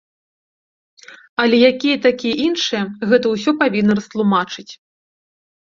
Але якія такія іншыя, гэта ўсё павінны растлумачыць.